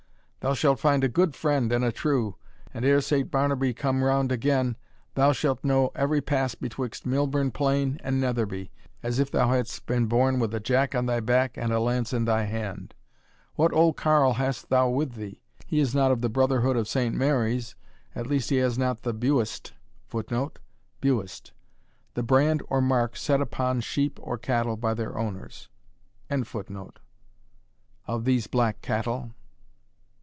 Thou shalt find a good friend and a true; and ere Saint Barnaby come round again, thou shalt know every pass betwixt Millburn Plain and Netherby, as if thou hadst been born with a jack on thy back, and a lance in thy hand. What old carle hast thou with thee? He is not of the brotherhood of Saint Mary's at least he has not the buist [Footnote: Buist The brand, or mark, set upon sheep or cattle, by their owners.] of these black cattle."